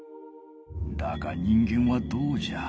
だが人間はどうじゃ。